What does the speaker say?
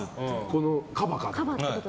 このカバか。